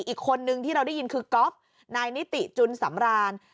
อีกคนนึงที่เราได้ยินคือก๊อฟนายนิติจุนสำราน